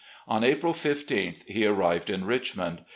On April isth he arrived in Richmond.